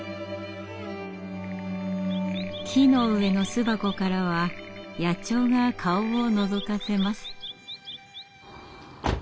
木の上の巣箱からは野鳥が顔をのぞかせます。